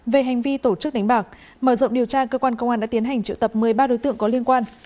về hành vi tổ chức đánh bạc mở rộng điều tra cơ quan công an đã tiến hành triệu tập một mươi ba đối tượng có liên quan